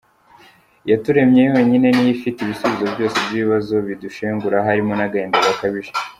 Iyaturemye yonyine, ni yo ifite ibisubizo byose by’ibibazo bidushengura harimo n’agahinda gakabije.